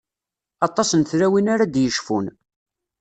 Aṭas n tlawin ara d-yecfun.